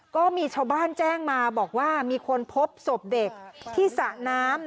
ก็มีชาวบ้านแจ้งมาบอกว่ามีคนพบศพเด็กที่สระน้ำ